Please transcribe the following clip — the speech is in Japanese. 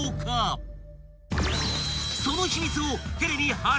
［その秘密を］